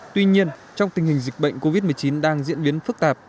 tuy nhiên trong tình hình dịch bệnh covid một mươi chín đang diễn biến phức tạp